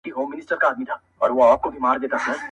لـكــه دی لـــونــــــگ.